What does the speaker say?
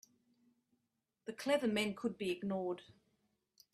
The clever men could be ignored.